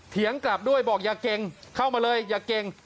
กลับด้วยบอกอย่าเก่งเข้ามาเลยอย่าเก่ง